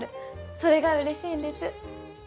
それがうれしいんです。